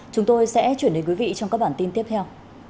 chúng tôi sẽ chuyển đến quý vị trong các bản tin tiếp theo